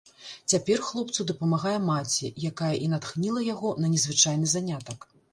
Цяпер хлопцу дапамагае маці, якая і натхніла яго на незвычайны занятак.